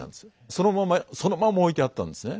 そのままそのまま置いてあったんですね。